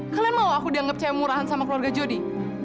kalian mau aku dianggap saya murahan sama keluarga jody